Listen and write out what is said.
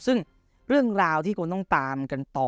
ซึ่งเรื่องราวที่ควรต้องตามกันต่อ